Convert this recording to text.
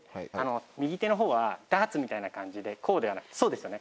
右手のほうはダーツみたいな感じでこうではなくてそうですよね